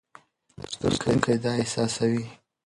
لوستونکی دا احساسوي.